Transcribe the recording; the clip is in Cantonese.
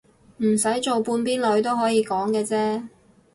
唔使做半邊女都可以講嘅啫